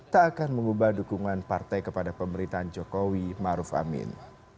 tak akan mengubah dukungan partai kepada pemerintahan jokowi maruf amin